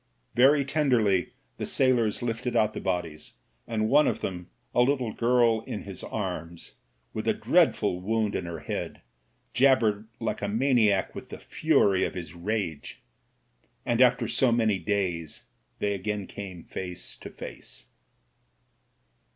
Very tenderly the sailors lifted out the bodies, and one of them — a little girl in his arms, with a dreadful wound in her head — ^jabbered like a maniac with the fury of his rage. And so after many days they again came face to face.